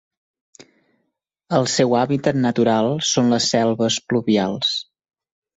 El seu hàbitat natural són les selves pluvials.